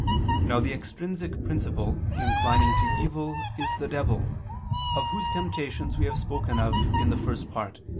Now the extrinsic principle inclining to evil is the devil, of whose temptations we have spoken in the First Part (Q.